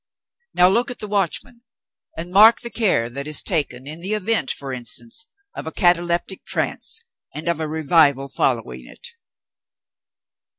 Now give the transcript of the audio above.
Now look at the watchman, and mark the care that is taken in the event, for instance, of a cataleptic trance, and of a revival following it."